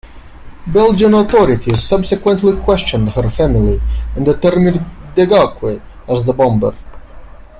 Belgian authorities subsequently questioned her family and determined Degauque as the bomber.